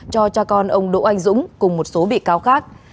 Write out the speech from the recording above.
cho cha con ông đỗ anh dũng cùng một số bị cáo khác